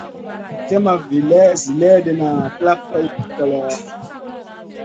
Slèh ma zi léhdéna plak goy koloy.